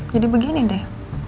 jadi begini deh